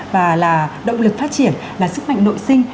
và là động lực phát triển là sức mạnh nội sinh